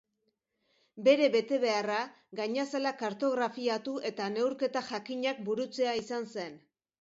Bere betebeharra gainazala kartografiatu eta neurketa jakinak burutzea izan zen.